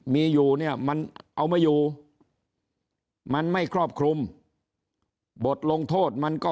มีอยู่เนี่ยมันเอามาอยู่มันไม่ครอบคลุมบทลงโทษมันก็